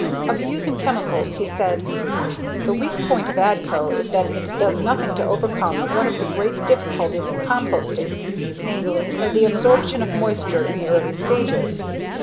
Of using chemicals he said: "The weak point of Adco is that it does nothing to overcome one of the great difficulties in composting, namely the absorption of moisture in the early stages.